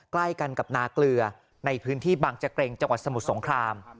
ใกล้กันกับนาเกลือในพื้นที่บังเจเกร็งจังหวัดสมุทรสงคราม